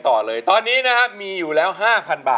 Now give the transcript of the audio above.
สวัสดีครับ